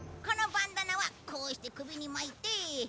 このバンダナはこうして首に巻いて。